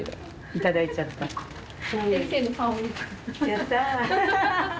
やった。